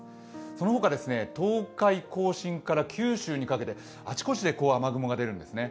その他、東海、甲信から九州にかけてあちこちで雨雲が出るんですね。